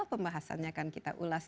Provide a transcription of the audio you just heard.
pembahasannya akan kita ulas